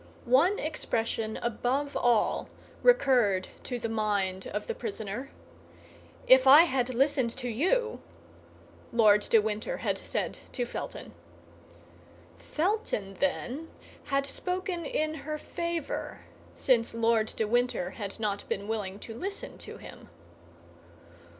One expression above all recurred to the mind of the prisoner: "If I had listened to you," Lord de Winter had said to Felton. Felton, then, had spoken in her favor, since Lord de Winter had not been willing to listen to him.